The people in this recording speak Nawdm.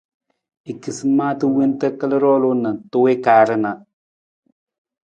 I kisi maata wonta kal roolung na ta wii kaar na.